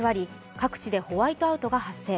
各地でホワイトアウトが発生。